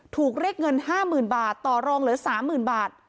ถูกเรียกเงินห้าหมื่นบาทต่อรองเหลือสามหมื่นบาท